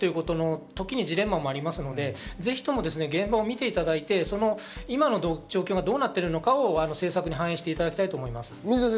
時にジレンマもありますので、ぜひとも現場を見ていただいて、今の状況がどうなっているのかを政策に反映していただきたいと思います。